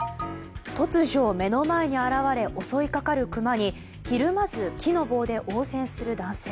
突如、目の前に現れ襲いかかるクマにひるまず木の棒で応戦する男性。